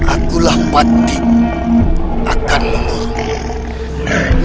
akulah patik akan mengurung